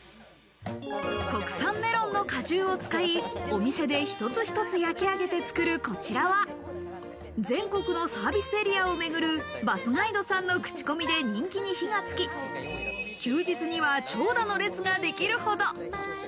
国産メロンの果汁を使い、お店で一つ一つ焼き上げて作るこちらは、全国のサービスエリアをめぐるバスガイドさんの口コミで人気に火がつき、休日には長蛇の列ができるほど。